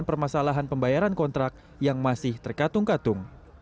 dan menyelesaikan permasalahan pembayaran kontrak yang masih terkatung katung